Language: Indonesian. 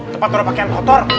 cepet atau pakaian kotor